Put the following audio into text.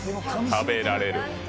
食べられる！